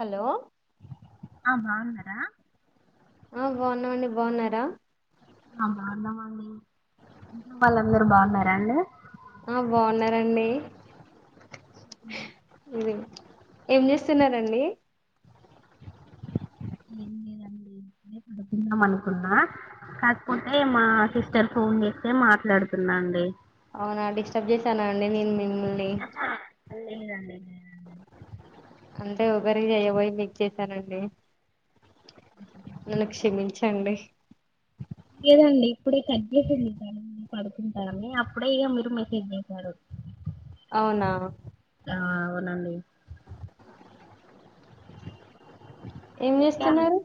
Hello ఆ బాగున్నారా మిము బాగున్నాం మీరు బాగున్నారా ఆ బాగున్నామండి మీ కుటుంబంలో వాళ్ళందరు బాగున్నారా అండి ఉ బాగున్నారండి ఉహూ ఏం చేస్తున్నారండి ఏం లేదండి ఇే పడుతుందాం అనుకున్నా కాకపోతే మా సిస్టర్ ఫోన్ చేస్తే మాట్లాడుతున్నాన్ లే అవునా డిస్టర్బ్ చేసాను అండి నేను మీ ఉమ్మి అల్ లేదండి అన్ నేను అంతే ఊబరిగా చేయబోయి మీకు చేసానండి నన్ను క్షమించండి లేదండి ఇప్పుడే కట్ చేసింది పడుతుంటాను అప్పుడే ఇక మీరు మెసేజ్ చేశారు అవునా ఆ అవునండి ఏం ఒక్యాన్ చేస్తున్నారు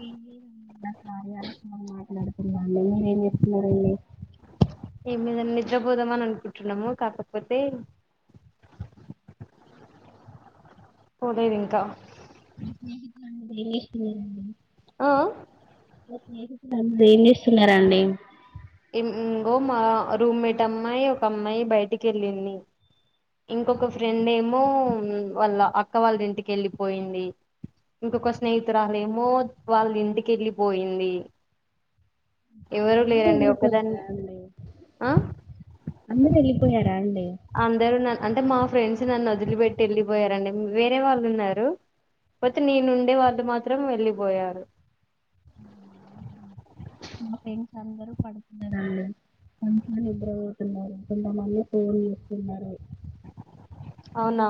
ఏమి ఉమ్ బా నా యాలమ్ మాట్లాదు ఉన్నారే ఏజేప్తున్నారండి ఏ మీదన్నా నిద్రపోోదమని అనుకుంటున్నాము కాకపోతే పోలేదు ఇంకా మీ స్నేహితులు అంటే ఎస్ లేదండి ఆ ఏం చేస్తున్నారా అండి ఇంకోో మా రూమ్మేట్ అమ్మాయి ఒక అమ్మాయి బయటికి వెళ్ళింది ఇంకొక ఫ్రెండ్ ఏమో వాళ్ళ అక్క వాళ్ళ ఇంటికి వెళ్ళిపోయింది ఇంకొక స్నేహితురాలు ఏమో వాళ్ళ ఇంటికి వెళ్ళిపోయింది ఎవరు అందరు లేరండి ఒక్ కదన వెళ్ళిపోయిరా అండి ఆ వెళ్లిపోయారా అండి అందరు న అంటే మాఫ్ ఫ్రెండ్స్ నన్ను వదిలిపెట్టి వెళ్ళిపోయారండి వేరే వాళ్ళు ఉన్నారు పోతే నేను ఉండే వాళ్ళు మాత్రం వెళ్ళిపోయారు మా ఫ్రెండ్స్ అందరూ పడుకున్నారు వాళ్ళు మంచి నిద్రా పోతున్నారు కొంత మంది పిల్లలు ఫోనులు చూసుకుంటున్నారు అవునా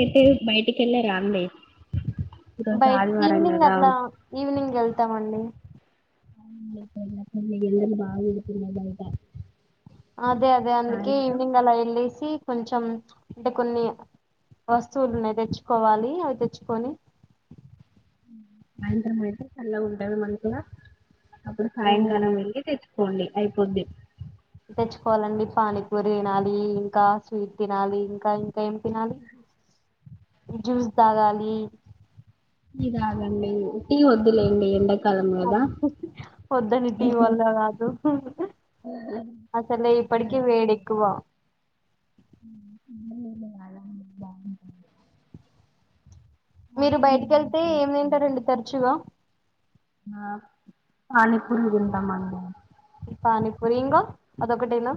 ఎతే బైటికి వెళ్ళ రా అండి ఈరోజు బయట్ ఆదివారం ఈవినింగ్ కదా అట్లా ఈవినింగ్ వెళ్తామండి బాగ ఉండుతున్నాయింట అదే అదే అందుకే ఈవ్నింగ్ ఎలా వెళ్లేసి కొంచెం అంటే కొన్ని వస్తువులు ఉన్నాయి తెచ్చుకోవాలి అవి తెచ్చుకొని సాయంత్రం అయితే చల్లగుంటది మనకులా అప్పుడు సాయం ఉమ్, కాలం మేల్లే తెచ్ పోండి అయిపోద్ది తెచ్చుకోవాలండి పానీపూర తినాలి ఇంకా స్వీట్ తినాలి ఇంకా టైం ఏం తినాలి జ్యూస్ తాగాలి ఇగ ఆగండి టీ వద్దులే అండి ఎండకి అే టీ వొదునిటి వల్ల కాదు అసలే ఇప్పటికే వేడి తాగండి ఎక్కువ చాల మంది బాగుంటరు మీరు బయటికెళ్తే ఏం తింటరండి తరచుగా ఆ పనిపూరి తింటాం మ పానీ పూరి ఇంగ అదొకటేనా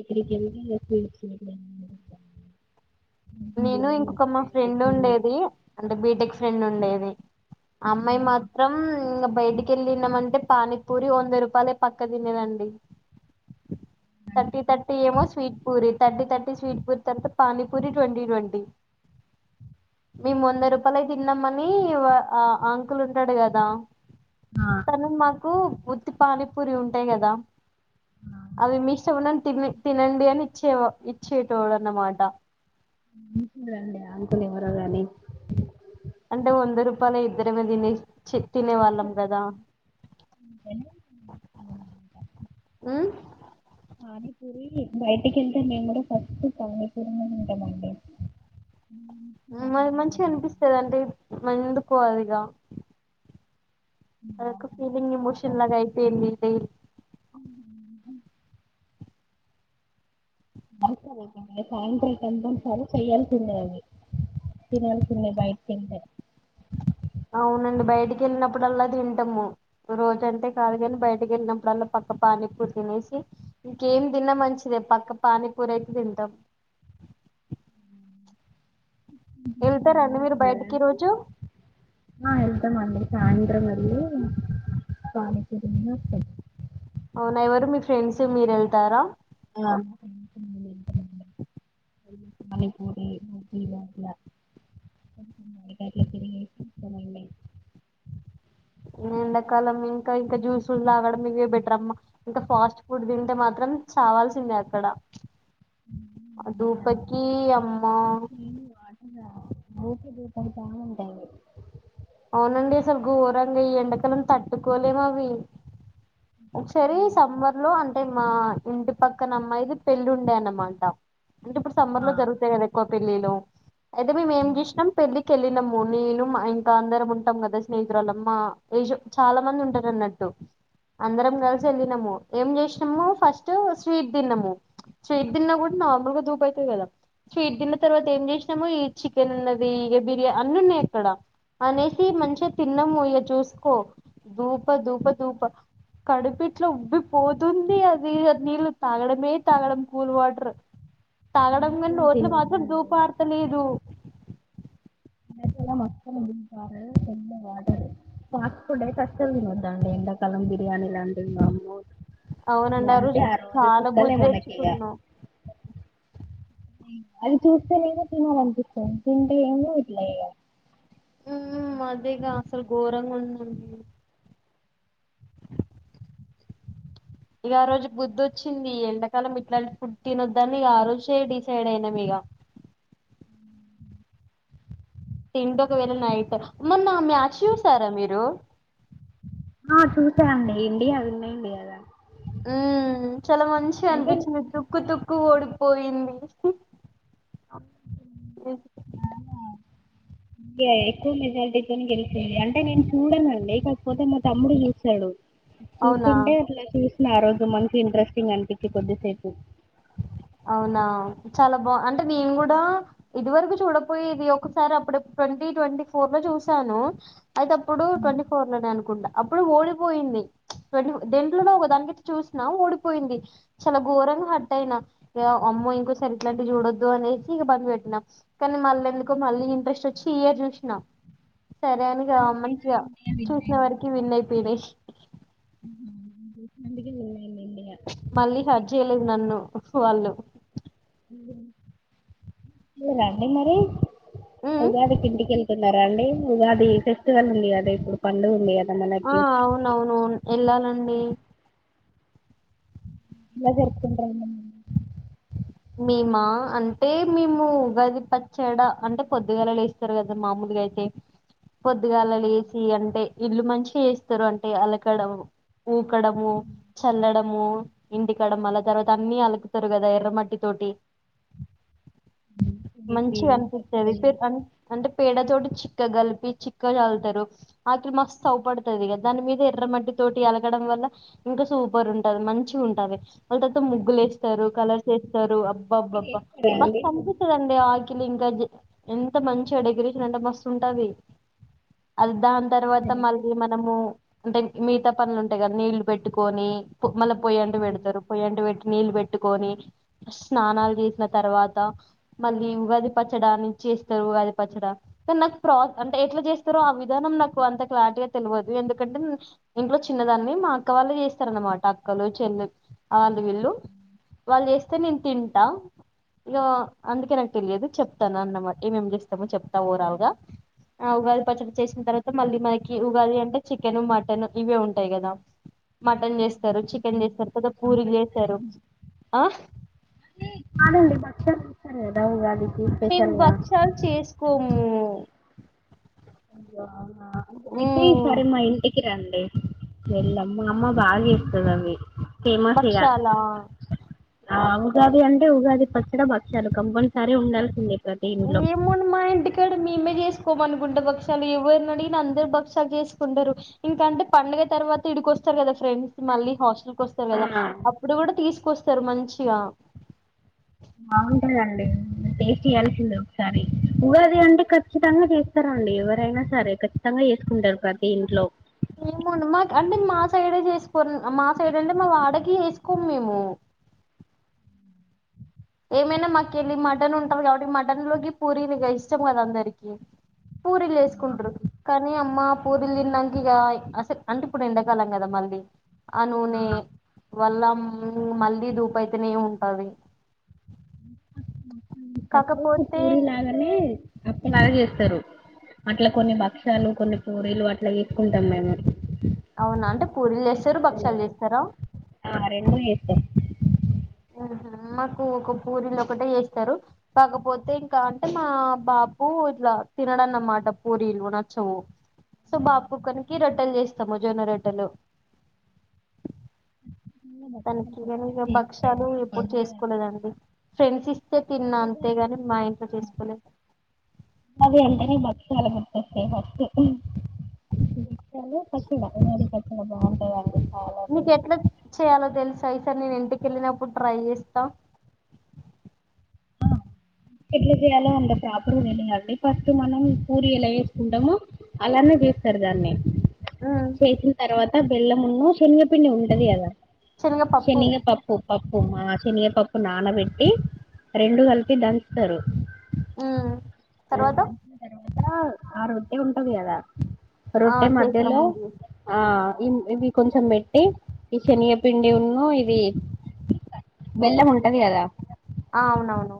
ఎక్కడికెల్నా [unintelligible] అ నేను ఇంకొక మా ఫ్రెండ్ ఉండేది, అంటే బీటెక్ ఫ్రెండ్ ఉండే. ది ఆ అమ్మాయి మాత్రం ఇంగ బయటికెళ్ళి తిందామంటే పానీపూరి వంద రూపాయలే పక్క తినేదండి. థర్టీ థర్టీ ఏమో స్వీట్ పూరి. థటీ థర్టీ స్వీట్ పూరి తర్వాత పానీ పూరి ట్వంటీ ట్వంటీ, మేము వంద రూపాయలై తిన్నాంమని, ఆ అంకుల్ ఉంటడు కదా. ఆ తను మాకు ఉత్తి పానీపూరి ఉంటయి కదా అది మీ ఉన్నట్టు తిమ్ తినండి అని ఇచ్చేవ ఇచ్చేటోడన్నమాట. మంచోడండి ఆ అంకుల్ ఎవరో గని అంటే వంద రూపాలై ఇద్దరమే తినే చి తినేవాళ్ళం కదా. రి బయటికి వెళ్తే మేము కూడా ఫస్ట్ పానీపూరినే తింటమండి. మ మంచిగ అనిపిస్తుది అంటే మైండు [unintelligible] అదొక ఫీలింగ్ ఎమోషన్ లాగా అయిపోయింది డైలీ. [unintelligible] సాయంత్రం కంపల్సరీ చేయాల్సిందే అది, తినాల్సిందే బయటికెళ్తే. అవునండి బయటకి వెళ్ళినప్పుడల్లా తింటము, రోజంటే కాదు కని బయటకి ఎళ్ళినప్పుడల్లా పక్క పానీపూరి తినేసి, ఇంకేం తిన్నా మంచిదే పక్క పానీపూర అయితే తింటాం. వెళ్తరండి అలవాటు మీరు ఉన్నదా బయటకి ఈ అండి రోజు. సాయసత్రం వెళ్లి పానీపూరి తిని వస్తం. అవునా ఎవరు మీ ఫ్రెండ్స్ మీరు వెళ్తారా? ఆ పానీపూరి బజ్జీలు అట్లా, అట్లట్ల తరిగేసి వస్తం అండి. ఎండాకాలం ఇంకా ఇంకా జ్యూస్ లు తలాగడం ఇవే బెటర్ అమ్మా, ఇంకా ఫాస్ట్ ఫుడ్ తింటే మాత్రం చావాల్సిందే అక్కడ. ఆ ఇంకా దెబ్బకి అమ్మా గపీ ధూర్తా ఉంటయ్ అవునండి ఆసలు గోరంగ ఈ ఎండకలం. తట్టుకోలేమవి, ఒకసారి సమ్మర్ లో అంటే మా ఇంటి పక్కనమ్మాయికి పెళ్లి ఉందన్నమాట. అంటే ఇప్పుడు సమ్మర్ ఆ లో జరుగుతాయి కా ఎక్వ పెళ్ళిలో అయితే మేము ఏం ఆ, చేసినా పెళ్ళి కి వెళ్ళినాము నెను మా ఇన్ ఇంకా అందరం ఉంటాం కదా స్నేహితురాాలమ్మ ఏజో చాలా మంది ఉంటారు అన్నట్టు అందరం కలిసి వెళ్ళినము ఏం చేసిన మేము ఫస్ట్ స్వీట్ తిన్నాము స్వీట్ తిన్నాము కూడా, నార్మల్ గా దూపు అయితాంది, కదా స్వీట్ తిన్న తర్వాత ఏం చేసినాము ఈ చికెన్ ఉన్నది ఇక బిర్యానీ అన్ని ఉన్నాయి అక్కడ అనేసి మంచిగా తిన్నాము, ఇయ చూసుకో దూప దూప దూప కడుపిట్లో ఉబ్బిపోతుంది అది నీళ్ళు తాగడమే తాగడం కూల్ వాటర్ తాగడం కాని ఎండాకాలం నోట్లు మాత్రం తినొద్దండి దూపడతలేదు [unintelligible] ఫస్డ్ అయితే కష్టలు తినద్దాండి ఎండాకాలం బిర్యానీ లా అండి మామూ అవునండి ఆ రోజు చాలా బుద్ధి మనకి ఇగ తెచ్చుకున్నాం అది చూస్తేనేమో తినలనిపిస్తాది తింటే ఏను ఇట్ల ఈగ ఉ అదేగా అసలు ఘోరంగా ఉందండి ఇక ఆ రోజు బుద్ధొచ్చింది ఎండకాలం ఇట్లాంటి ఫుడ్ తినొద్దనిక, ఆ రోజే డిసైడ్ అయినాం ఇక అ తింట ఒకవేళ నైట్ మొన్న మ్యాచ్ చూసారా మీరు చూసా అండి ఇండియా విన్ అయిది కదా ఉ చాలా మంచిగా అంటే అనిపించింది తుక్కు తుక్కు ఓడిపోయింది అఓ ఇ ఎక్కువ మెజారిటీతోని గెలిచంది, అంటే నేను చూడనండి ఇ కాకపోతే మా తమ్ముడు చుసాడు అవునా చూసుకుంటే అట్లా చూసిన ఆ రోజు మంచి ఇంట్రెస్ట్ నికినికి కొద్ది సయిపు అవునా చాలా బా అంటే నేను కూడా ఇది వరకు చూడపోయేది, ఒకసారి అప్పుడ ట్వంటీ ట్వంటీ ఫోర్ లో చూసాను అయితే అప్పుడు ట్వంటీ ఫోర్ లోనే అనుకుంట అప్పుడు ఓడిపోయింది, దెంట్లోలో ఒకదానినికిక చూసినా ఓడిపోయింది చాలా ఘోరంగా హర్ట్ అయినా ఇం అమ్మో ఇంకోసారి ఇట్లాంటివి చూడొద్దు అనేసి ఇక బంది పెట్టిం, కానీ మళ్ళ ఎందుకో మళ్ళీ ఇంట్రెస్ట్ వచ్చి ఇయర్ చూసినా సరే అనిగా అందుకైనా మంచిగా ఇండియా విన్ చూసిన అయింది వరకి విన్నాయి పీడేష్ నందుగ మళ్ళీ హర్ చేయలేదు నన్ను వాళ్ళు లే రండి మరి ఉమ్ అగా అద కిందికి న్నా అండి అది ఫెస్టివల్ ఉంది కదా ఇప్పుడు పండుగ ఉంది కదా ఆ మనకి అవునవును వెళ్ళాలండి ఎలా జరుపుకుంటారండి మా అంటే మేము ఉగాది పచ్చడ అంటే పొద్దుగల లేస్తారు గదా మామూలుగా అయితే పొద్దుగాల లేసి అంటే ఇల్లు మంచి చేస్తారు అంటే అలకడవ్ ఊకడము చల్లడము ఇంటి కాడ మల్ల తర్వాత అన్ని అలుకుతరు గదా ఎర్రమట్టి తోటి చేసి మంచి పచ్చడి అనిపిస్తదది [unintelligible] అన్ అంటే పేడ తోటి చిక్కగ కలిపి చిక్కగ చల్లుతారు రాత్రి మస్తు ఓపడుతుంది కదా దాని మీద ఎర్రమట్టి తోటి అలకగడం వల్ల ఇంకా సూపర్ ఉంటది మంచిగుంటది నైట్ అంతా ముగ్గులు వేస్తారు కలర్స్ ఏ స్తారు మీరు బ్బాబ్బబ్బ చేస్తారా అండి మస్తు అనిపిస్తదండీ ఆ [unintelligible] ఎంత మంచిగ డెకరేషన్ అంటే మస్తు ఉంటది అది దాని తర్వాత మళ్ళీ మనము అంటే మిగతా పనులు ఉంటాయి కదా నీళ్లు పెట్టుకొని మళ్ళ పోయంటి పెడతారు పొయంటి పెట్టి నీళ్లు పెట్టుకొని స్నానాలు చేసిన తర్వాత మళ్ళీ ఉగాది పచ్చడా నేన్ చేస్తారు ఉగాది పచ్చడా కానీ నాకు ప్రా అంటే ఎట్లా చేస్తారో ఆ విధానం నాకు అంత క్లారిటీగా తెలువదు ఎందుకంటే ఇంట్లో చిన్నదాన్ని మా అక్క వాళ్ళు చేస్తారు అనమాట అక్కలు చెల్ వాళ్ళు వీళ్ళు వాళ్ళు చేస్త నేను తింటా ఇగ అందుకే నాకు తెలియదు చెప్తాను అన్నమాట ఏమేం చె మొ చెప్తాం ఓవరాల్ గా ఆ ఉగాది పచ్చడి చేసిన తర్వాత మళ్ళీ మనకి ఉగాది అంటే చికెను మటన్ ఇవే ఉంటాయి గదా మటన్ చేస్తారు చికెన్ చేస్తారు తార్త పూరీలు చేస్తారు. అ ఆగండి భక్షాలేస్తారు గద మేము భక్షాలు చేసుకోము ఓ [unintelligible] అయితే ఈ సరే మా ఇంటికి రండి వీళ్ళ అమ్మమ్మ బాగచేస్తది అవి ఫేమస్ ఇగ భక్షాలా ఉగాది అంటే ఉగాది పచ్చడి బక్షాలు కంపల్సరీ ఉండాల్సి ఏమో అండి మా ఇంటికాడ మేమే చే కోమనుకుంట భక్షాలు ఎవరని అడిగి అందరు భక్షాలు చేసుకుంటారు ఇంక అంటే పండగ తర్వాత ఇడికొస్తారు కదా ఫ్రెండ్స్ మళ్ళీ హాస్టల్ వస్తారు కదా ఆ అప్పుడు కూడా తీసుకొస్త సరే మంచిగా బాగుంటదండి టేస్ట్ చేయాల్సింద ఒకసారి ఉగాది అంటే ఖచ్చితంగా చేస్తారండి ఎవరైనా సరే ఖచ్చితంగా చే ఏమెండి మాకు అంటే మా సైడే చేసి వేసుకని మా సైడ్ అంటే మా వాడకి వేసుకోం మేము ఏమైనా మాకెళ్ళి మటన్ ఉంటది కాబట్టి మటన్ లోకి పూరీక ఇష్టం కదా అందరికి పూరీలు వేసుకుంటారు కానీ అమ్మ పూరిలుతిన్నక ఇక అసలు అంటే ఇప్పుడు ఎండకలం కదా మళ్ళీ ఆ నూనే వల్ల మళ్ళీ మళ్ళీ దూపైతేనే ఉంటాది అప్పుడు కాకపోతే పూరి లాగానే అప్పలాగ చేస్తారు అట్లా కొన్ని భక్ష్యాలు కొన్ని పూరీలు అట్లా ఎక్కుంటాం మేము అవునా అంటే పూరీలు చేస్తారు భక్షాలు చేస్తారా ప ఆహా మాకు ఒక పూరీలు ఒకటే చేస్తారు కాకపోతే ఇంకా అంటే మా బాబు ఇట్లా తినడన్నమాట పూరీలు నచ్చవు సో బాబు కొక్కనికి రొట్టెలు చేస్ సముజోనరోట్టలు కాని భక్షాలు కిననికే ఖచ్చితంగా భక్ష్యాలు చేస్తారండి ఎప్పుడు పండగ చేసుకోలేదండి ఫ్రెండ్స్ ఇస్ సొ తిన్నా ఉగాది అంతేగాని మా ఇంట్లొ చేసుకోలేదు ఓకే ఫస్టే హ ఏంది ఫస్ట్ డే ఆ [unintelligible] అవును నీకు ఎట్లా చేయాలో తెలుసా ఈ సారి నేను ఇంటికెళ్ళినప్పుడు ట్రై చేస్తాం ఎట్లా చేయాలో అంత ప్రాపర్ గా తెలీదండి ఫస్ట్ మనం పూరి ఎలా చేసుకుంటామో అలానే చెస్ సర్ దాన్ని ఉమ్, చేసిన తర్వాత అ బెల్లం ఉన్ను శనగపిండి ఉంటది గదా శనగపప్పు పప్ మా శినగపప్పు నానబెట్టి రెండు కలి కు దంచుతరు ఊ తర్వాత అా ఆరోటే ఉంటది కదా ఆ రోట్టె చేసిన మద్యలో ముందు ఆ ఇ ఇవి కొంచెం పెట్టి ఈ శనిగపీండి ఉను ఇది బెల్లం ఉంటది కదా ఆ అవునవును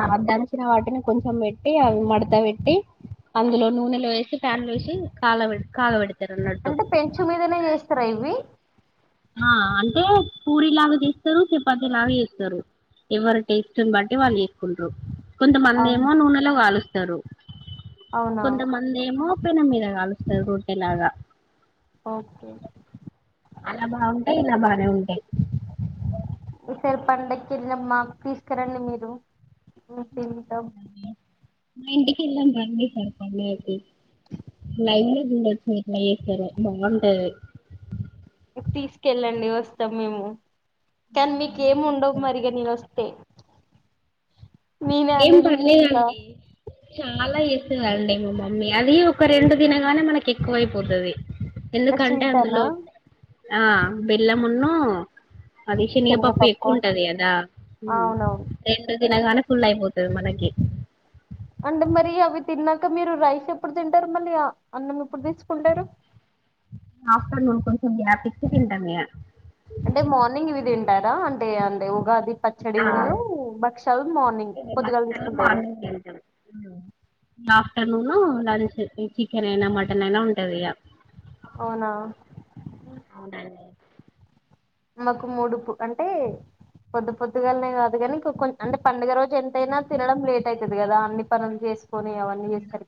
ఆ దంచిన వాటిని కొంచెం పెట్టి అవి మడత పెట్టి అందులో నూనెలో వేసి ఫ్యాన్లో వేసి కాలవెడ్ కాగబెడ్ అంటే పెంచు మీదనే చేస్తారా ఇవి ఆ అంటే పూరి లాగా చేస్తారు చపాతి లాగా చేస్తారు ఎవరి టేస్ట్ని బట్టి వాళ్ళు చేసుకుంటారు కొంతమంది అవును ఏమో నూనెలో కాలుస్తారు అవునా కొంతమంది ఏమో పెనం మీద కాలుస్తారు రొట్టెలాగ ఓకే అలా బాగుంటాయి ఇలా బానే ఉంటాయి ఈసారి పండగకి వెళ్ళిన మాకు తీసుకురండి మీరు తింటాం మా ఇంటికి వెళ్ళ బాంచేస్తారు లైన్ లో వచ్చంది ఇట్లా చేసారు బాగుంటది తీసుకెళ్ళండి వస్తాం మేము కానీ మీక ఏమి ఉండవు మరిగా నీనోస్తే ఏం అన్ని తీసేస్తా పర్లేదండి చాలా ఇస్తదండి మా మమ్మీ అది ఒక రెండు దినగానే మనకి ఎక్కువైపోతుది నాకు ఎందుకంటే స్వీట్ అనా అందులో ఆ బెల్లంమున్ను అది శనగపప్పు ఎక్కువ ఉంటది కదా అవునవును రెండు తినగానే పోతది మనకి అంటే మరి అవి తిన్నాక మీరు రైస్ ఎప్పుడు తింటారు మళ్ళీ అన్నం ఎప్పుడు తెచ్చుకుంటారు ఆఫ్టర్నూన్ కొంచెం గ్యాపిచ్చి తింటామే ఇగ అంటే మార్నింగ్ ఇవిది కదా అంటే అంటే ఉగాది హ పచ్చడి ఉన్ను భక్షాలు మార్నింగ్ పొద్దుగాల తీసుకుంటారు మార్నింగ్ ఆఫ్టర్నూన్ లంచ్ చికెన్ అయినా మటన్ అయినా ఉంటదిగా అవునా అవునండి మాకు మూడుపు అంటే పొద్దు పొద్దుగాలనే కాదు కానీ అంటే పండుగ రోజు ఎంతైనా తినడం లేట్ అవుతుది కదా అన్ని పనులు చేసి కొన్ని అవన్నీ చేస్త